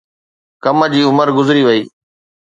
ڪم جي عمر گذري وئي